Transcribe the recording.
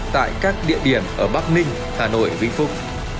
tại các địa điểm ở bắc ninh hà nội vĩnh phúc